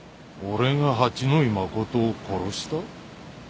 俺が八野衣真を殺した？